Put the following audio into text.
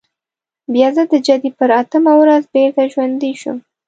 بیا زه د جدي پر اتمه ورځ بېرته ژوندی شوم.